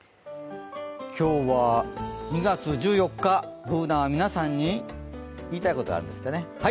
今日は２月１４日、Ｂｏｏｎａは皆さんに言いたいことがあるそうです。